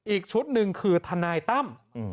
อีกชุดหนึ่งคือทนายตั้ม